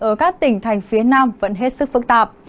ở các tỉnh thành phía nam vẫn hết sức phức tạp